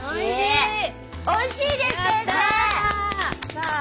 おいしいです先生！